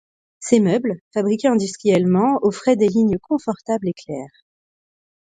Ces meubles fabriqués industriellement, offraient des lignes confortables et claires.